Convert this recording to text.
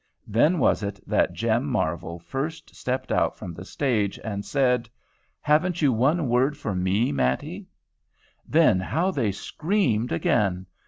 then was it that Jem Marvel first stepped out from the stage, and said, "Haven't you one word for me, Mattie?" Then how they screamed again!